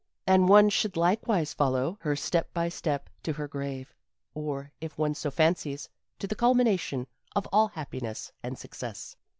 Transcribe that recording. And one should likewise follow her step by step to her grave, or, if one so fancies, to the culmination of all happiness and success.